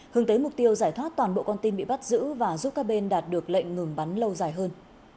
hướng tới mục tiêu giải thoát toàn bộ con tin bị bắt giữ và giúp các bên đạt được lệnh ngừng bắn lâu dài hơn